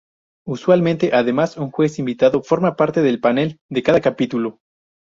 Usualmente, además, un juez invitado forma parte del panel de cada capítulo.